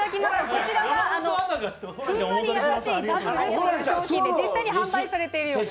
こちらは、ふんわりやさしいダブルという商品で実際に販売されているようですね。